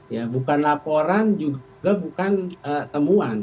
ya bukan laporan juga bukan temuan